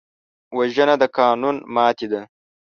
وژنه د قانون ماتې ده